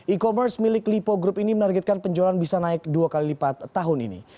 e commerce milik lipo group ini menargetkan penjualan bisa naik dua kali lipat tahun ini